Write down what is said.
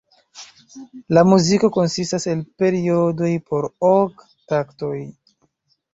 La muziko konsistas el periodoj po ok taktoj.